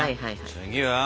次は？